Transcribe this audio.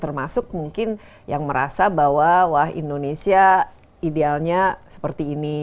termasuk mungkin yang merasa bahwa wah indonesia idealnya seperti ini